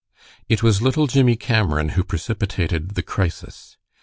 It was little Jimmie Cameron who precipitated the crisis.